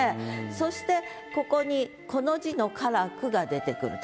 そしてここにこの字の「鹹く」が出てくると。